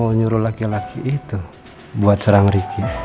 pelik mau nyuruh laki laki itu buat serang ricky